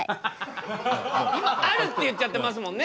「ある」って言っちゃってますもんね。